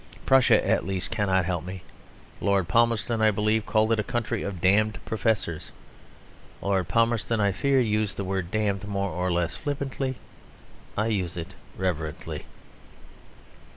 Prussia, at least cannot help me; Lord Palmerston, I believe, called it a country of damned professors. Lord Palmerston, I fear, used the word "damned" more or less flippantly. I use it reverently.